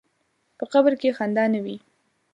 په قبر کې خندا نه وي.